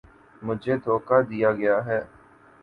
مجھے دھوکا دیا گیا ہے